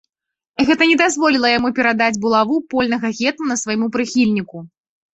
Гэта не дазволіла яму перадаць булаву польнага гетмана свайму прыхільніку.